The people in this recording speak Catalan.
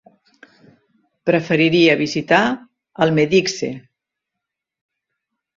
Preferiria visitar Almedíxer.